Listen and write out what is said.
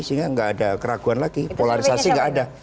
sehingga nggak ada keraguan lagi polarisasi nggak ada